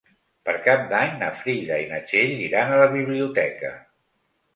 Per Cap d'Any na Frida i na Txell iran a la biblioteca.